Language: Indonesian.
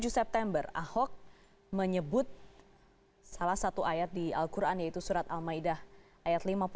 dua puluh tujuh september ahok menyebut salah satu ayat di al quran yaitu surat al ma'idah ayat lima puluh satu